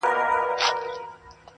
پلار او مور خپلوان یې ټوله په غصه وي,